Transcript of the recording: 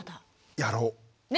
やろう。ね？